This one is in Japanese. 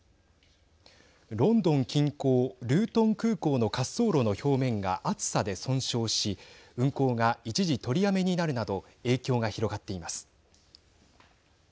ロンドン近郊ルートン空港の滑走路の表面が暑さで損傷し運航が一時取りやめになるなど影響が広がっています。